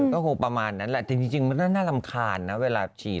ก็คงประมาณนั้นแหละแต่จริงมันน่ารำคาญนะเวลาฉีด